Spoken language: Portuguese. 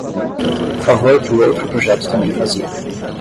Favor que o outro projeto também fazia.